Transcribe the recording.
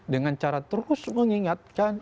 dengan cara terus mengingatkan